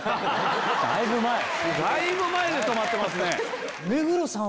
だいぶ前で止まってますね。